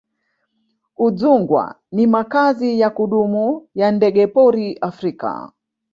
udzungwa ni makazi ya kudumu ya ndegepori africa